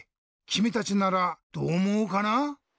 きみたちならどうおもうかな？